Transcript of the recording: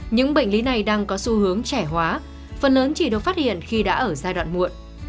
những bệnh lý này đang có xu hướng trẻ hóa phần lớn chỉ được phát hiện khi đã ở giai đoạn muộn